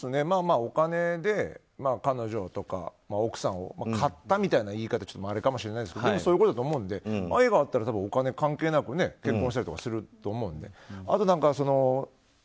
お金で彼女とか奥さんを買ったみたいな言い方もあれかもしれないですがそういうことだと思うんで愛があったらお金関係なく結婚生活すると思うので。